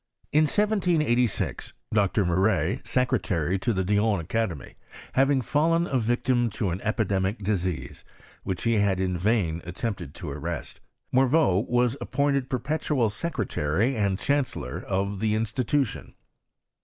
In i7H() Dr. Maret, secretary to the Dijon Aca demy, having fallen a victim to an epidemic disease, whi(*.h he hud in vain attempted to arrest, Morveaa was appointed perpetual secretary and chancellor of' the institution.